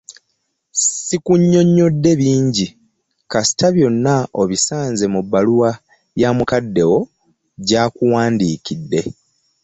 Sikunnyonnyodde bingi kasita byonna obisanze mu baluwa ya mukadde wo gy'akuwandiikidde.